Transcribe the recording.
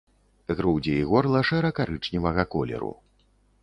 Грудзі і горла шэра-карычневага колеру.